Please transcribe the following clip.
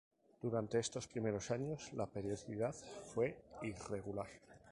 Durante estos primeros años la periodicidad fue irregular.